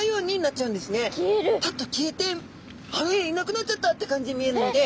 パッと消えてあれいなくなっちゃったって感じに見えるので。